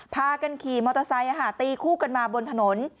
พากันขี่มอเตอร์ไซค์ตีคู่กันมาบนถนน